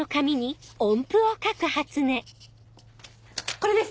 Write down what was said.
これです！